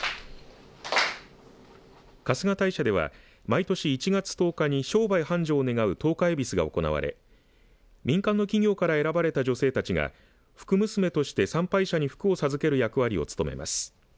春日大社では毎年１月１０日に商売繁盛を願う十日えびすが行われ民間の企業から選ばれた女性たちが福娘として参拝者に福を授ける役を務めます。